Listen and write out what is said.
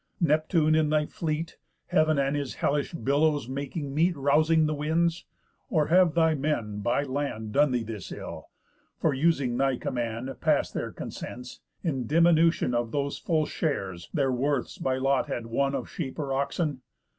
Neptune in thy fleet Heav'n and his hellish billows making meet, Rousing the winds? Or have thy men by land Done thee this ill, for using thy command, Past their consents, in diminution Of those full shares their worths by lot had won Of sheep or oxen?